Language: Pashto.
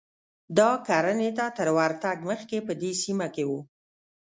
دا کرنې ته تر ورتګ مخکې په دې سیمه کې و